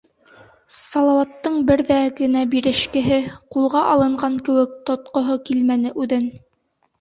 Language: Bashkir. Салауаттың бер ҙә генә бирешкеһе, ҡулға алынған кеүек тотҡоһо килмәне үҙен.